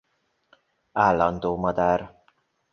Állandó madár.